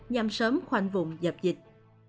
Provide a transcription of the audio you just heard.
nhằm sớm khoanh vùng dập dịch